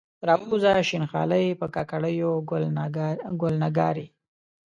راووځه شین خالۍ، په کاکړیو ګل نګارې